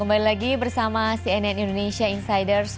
kembali lagi bersama cnn indonesia insiders